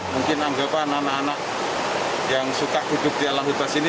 mungkin anggapan anak anak yang suka duduk di alam bebas ini